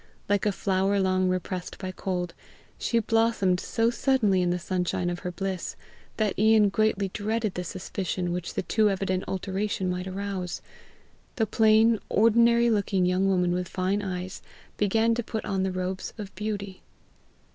Like a flower long repressed by cold, she blossomed so suddenly in the sunshine of her bliss, that Ian greatly dreaded the suspicion which the too evident alteration might arouse: the plain, ordinary looking young woman with fine eyes, began to put on the robes of beauty.